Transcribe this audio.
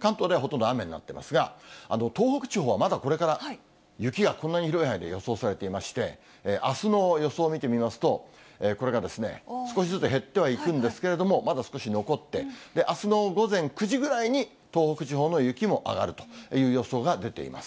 関東ではほとんど雨になってますが、東北地方はまだこれから雪がこんなに広い範囲で予想されていまして、あすの予想見てみますと、これが少しずつ減ってはいくんですけれども、まだ少し残って、あすの午前９時ぐらいに、東北地方の雪も上がるという予想が出ています。